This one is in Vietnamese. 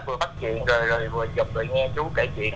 vừa bắt chuyện rồi vừa chụp rồi nghe chú kể chuyện